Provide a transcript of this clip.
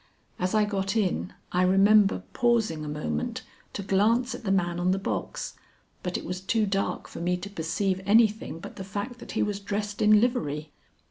As I got in I remember pausing a moment to glance at the man on the box, but it was too dark for me to perceive anything but the fact that he was dressed in livery.